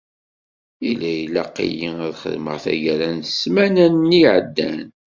Yella ilaq-iyi ad xedmeɣ tagara n ssmana-nni iεeddan.